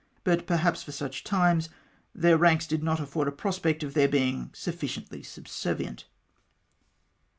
But perhaps, for such times, their ranks did not afford a prospect of their being sufficiently subservient.